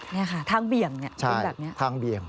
นี่ฮะทางเบี่ยงเป็นแบบนี้ใช่ทางเบี่ยง